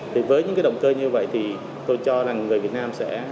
thì với những cái động cơ như vậy thì tôi cho là người việt nam sẽ